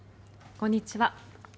こんにちは。